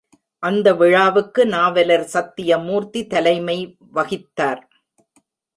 அந்த விழாவுக்கு நாவலர் சத்தியமூர்த்தி தலைமை வகித்தார்.